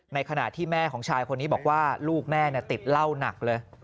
ในขณะที่แม่ของชายคนนี้บอกว่าลูกแม่ติดเหล้าหนักเลย